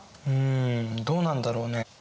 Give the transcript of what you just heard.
うんどうなんだろうね？